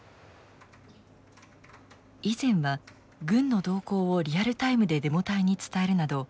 以前は軍の動向をリアルタイムでデモ隊に伝えるなど